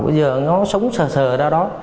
bây giờ nó sống sờ sờ ở đâu đó